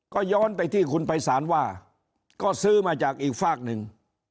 ก็ย้อนไปที่คุณภัยศาลว่าก็ซื้อมาจากอีกฝากหนึ่ง